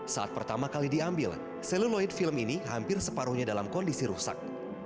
saat pertama kali diambil seluloid film ini hampir separuhnya dalam kondisi rusak